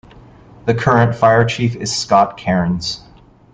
The current Fire Chief is Scott Cairns.